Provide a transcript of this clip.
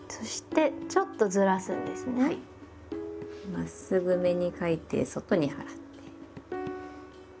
まっすぐめに書いて外に払って。